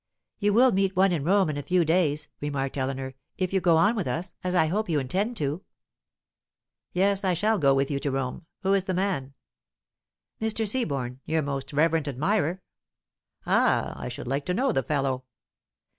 "You will meet one in Rome in a few days," remarked Eleanor, "if you go on with us as I hope you intend to?" "Yes, I shall go with you to Rome. Who is the man?" "Mr. Seaborne your most reverent admirer." "Ah, I should like to know the fellow."